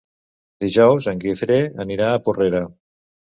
Dijous en Guifré anirà a Porrera.